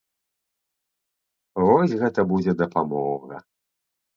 Вось гэта будзе дапамога.